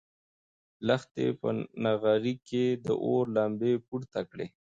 لښتې په نغري کې د اور لمبې پورته کړې.